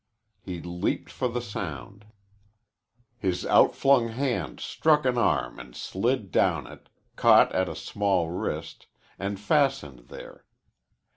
He leaped for the sound. His outflung hand struck an arm and slid down it, caught at a small wrist, and fastened there.